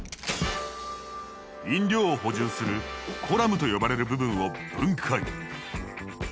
飲料を補充する「コラム」と呼ばれる部分を分解！